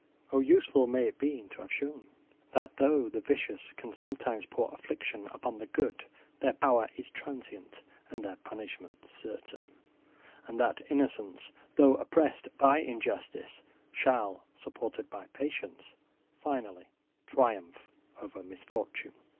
O! useful may it be to have shown, that, though the vicious can sometimes pour affliction upon the good, their power is transient and their punishment certain; and that innocence, though oppressed by injustice, shall, supported by patience, finally triumph over misfortune!